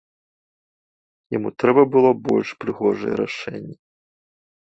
Яму трэба было больш прыгожае рашэнне.